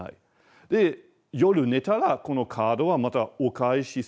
で夜寝たらこのカードはまたお返しする。